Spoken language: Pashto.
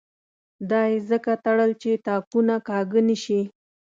دا یې ځکه تړل چې تاکونه کاږه نه شي.